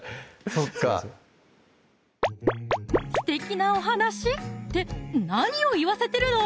そっかすてきなお話って何を言わせてるの！